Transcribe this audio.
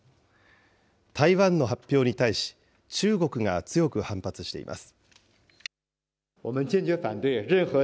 台湾の発表に対し、中国が強く反発しています。